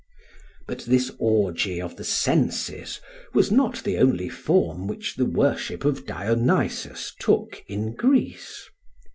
But this orgy of the senses was not the only form which the worship of Dionysus took in Greece.